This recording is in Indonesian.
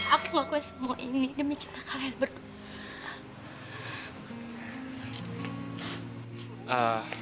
aku ngakuin semua ini demi cinta kalian berdua